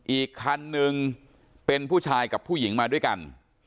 อีกคันนึงเป็นผู้ชายกับผู้หญิงมาด้วยกัน